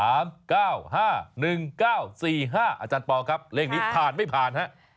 อาจารย์ปอลครับเลขนี้ผ่านไม่ผ่านครับ